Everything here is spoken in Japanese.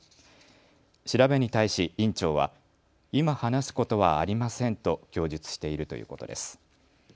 調べに対し院長は今話すことはありませんと供述しているということです。